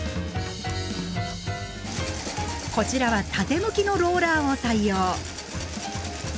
こちらは縦向きのローラーを採用。